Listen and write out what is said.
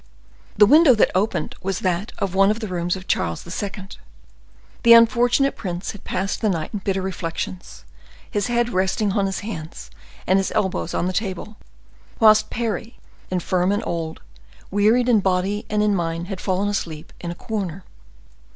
The window that opened was that of one of the rooms of Charles II. The unfortunate prince had passed the night in bitter reflections, his head resting on his hands, and his elbows on the table, whilst Parry, infirm and old, wearied in body and in mind, had fallen asleep in a corner.